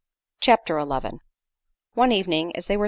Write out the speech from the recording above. CHAPTER XI. One evening as they were.